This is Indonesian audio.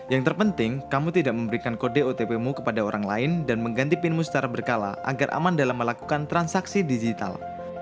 yang terpenting kamu tidak memberikan kode otpmu kepada orang lain dan mengganti pinmu secara berkala agar aman dalam melakukan transaksi digital